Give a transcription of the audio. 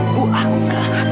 bu aku gak